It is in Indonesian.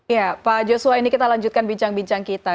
ya pak joshua ini kita lanjutkan bincang bincang kita